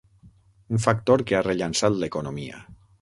Un factor que ha rellançat l'economia.